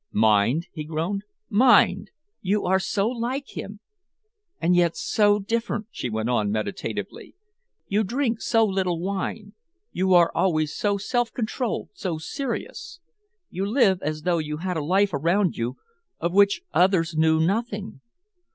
"Mind?" he groaned. "Mind!" "You are so like him and yet so different," she went on meditatively. "You drink so little wine, you are always so self controlled, so serious. You live as though you had a life around you of which others knew nothing.